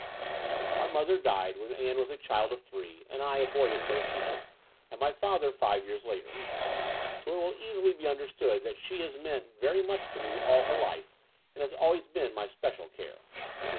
Our mother died when Ann was a The Brighton Road 43 child of three and I a boy of thirteen, and my father five years later: so it will easily be understood that she has meant very much to me all her life and has always been my special care.